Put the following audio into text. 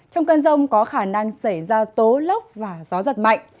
trong cơn rông có khả năng xảy ra tố lốc và gió giật mạnh